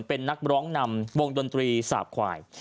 เป็นนักร้องนำวงดนตรีสาบควาย